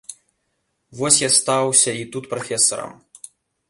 Вось я стаўся і тут прафесарам.